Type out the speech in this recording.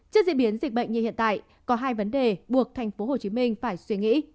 trước diễn biến dịch bệnh như hiện tại có hai vấn đề buộc tp hcm phải suy nghĩ